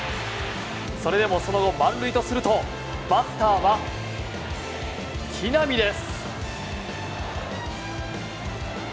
それでもその後、満塁とするとバッターは木浪です。